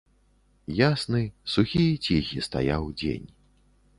Ясны, сухі і ціхі стаяў дзень.